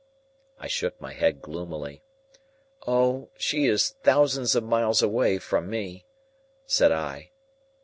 I shook my head gloomily. "Oh! She is thousands of miles away, from me," said I.